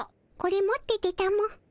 これ持っててたも。